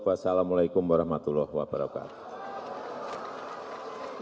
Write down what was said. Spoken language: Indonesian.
wassalamu'alaikum warahmatullahi wabarakatuh